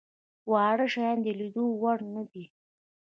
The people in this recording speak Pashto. واړه شيان د ليدلو وړ نه دي.